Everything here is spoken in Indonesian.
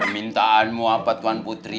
permintaanmu apa tuan putri